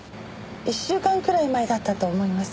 １週間くらい前だったと思います。